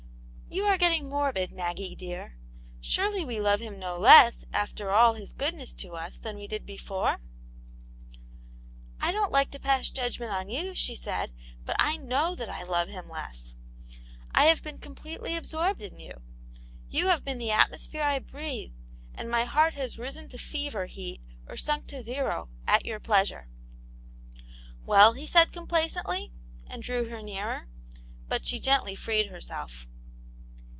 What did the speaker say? "You are getting morbid, Maggie dear. Surely we love Him no less, after all His goodness to us, than we did before ?" "I don't like to pass, judgment on you," she said ; "but I know that I love him less. I have been completely absorbed in you ; you have been the atmosphere I breathed, and my heart has risen to fever heat, or sunk to zero, at your pleasure." " Well ?" he said, complacently, and drew her nearer, but she gently freed herself.